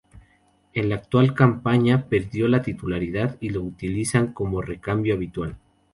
En la actual campaña perdió la titularidad y lo utilizan como recambio habitual.